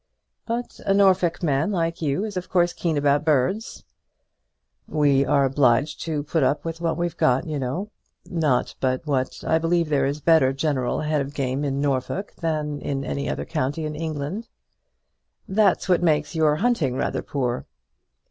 "But a Norfolk man like you is of course keen about birds." "We are obliged to put up with what we've got, you know; not but what I believe there is a better general head of game in Norfolk than in any other county in England." "That's what makes your hunting rather poor."